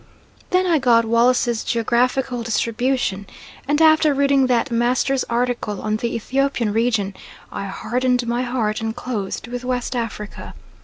Then I got Wallace's Geographical Distribution and after reading that master's article on the Ethiopian region I hardened my heart and closed with West Africa.